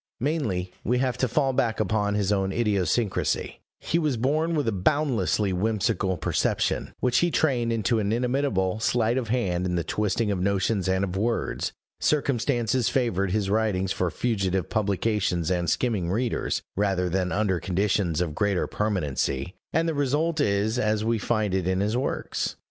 Mainly, we have to fall back upon his own idiosyncrasy: he was born with a boundlessly whimsical perception, which he trained into an inimitable sleight of hand in the twisting of notions and of words; circumstances favored his writing for fugitive publications and skimming readers, rather than under conditions of greater permanency; and the result is as we find it in his works.